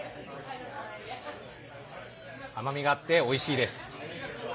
甘みがあって、おいしいです。